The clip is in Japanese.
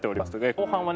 後半はね